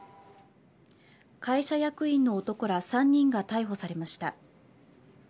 会社役員の男ら３人が逮捕されました。